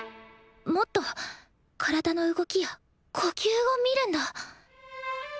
もっと体の動きや呼吸を見るんだ。